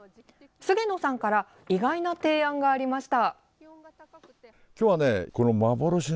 菅野さんから意外な提案がありました。